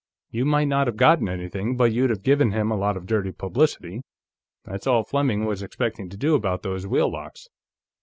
"You might not have gotten anything, but you'd have given him a lot of dirty publicity. That's all Fleming was expecting to do about those wheel locks."